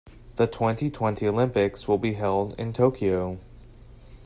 The twenty-twenty Olympics will be held in Tokyo.